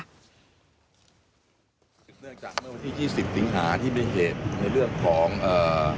ทีนี้ก็ไม่อยากจะให้ข้อมูลอะไรมากนะกลัวจะเป็นการตอกย้ำเสียชื่อเสียชื่อเสียชื่อเสียงให้กับครอบครัวของผู้เสียหายนะคะ